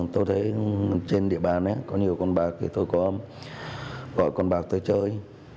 tôi thấy trên địa bàn có nhiều con bạc thì tôi có gọi con bạc tới chơi